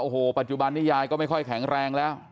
โอ้โหปัจจุบันนี้ยายก็ไม่ค่อยแข็งแรงแล้ว